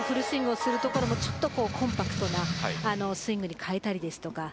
通常ですとフルスイングをするところもコンパクトなスイングに変えたりとか。